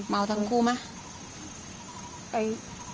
เมาทั้งคู่มั้ย